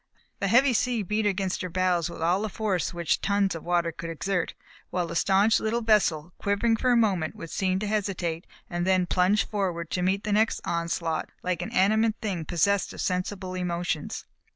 The heavy sea beat against her bows with all the force which tons of water could exert, while the staunch little vessel, quivering for a moment would seem to hesitate, and then plunge forward to meet the next onslaught like an animate thing possessed of sensible emotions.